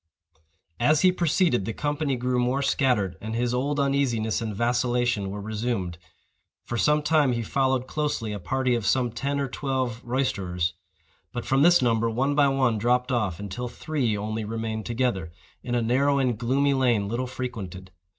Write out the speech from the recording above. As he proceeded, the company grew more scattered, and his old uneasiness and vacillation were resumed. For some time he followed closely a party of some ten or twelve roisterers; but from this number one by one dropped off, until three only remained together, in a narrow and gloomy lane little frequented.